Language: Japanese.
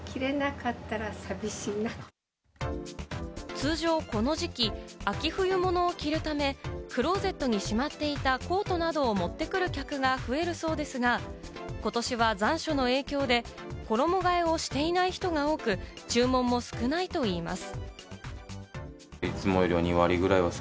通常この時期、秋冬物を着るため、クロゼットにしまっていたコートなどを持ってくる客が増えるそうですが、ことしは残暑の影響で衣替えをしていない人が多く、注文も少ないといいます。